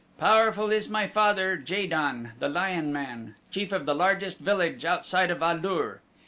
"Powerful is my father, Ja don, the Lion man, chief of the largest village outside of A lur.